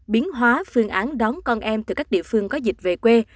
biến hóa phương án đón con em từ các địa phương có dịch về quê